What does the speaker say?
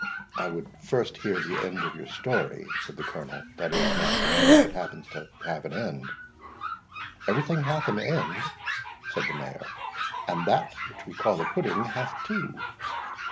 "I would first hear the end of your story," said the Colonel; "that is, Master Mayor, if it happens to have an end." "Every thing hath an end," said the Mayor, "and that which we call a pudding hath two.